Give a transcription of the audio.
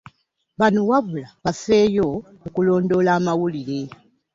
Bano wabula bafeeyo okulondoola amawulire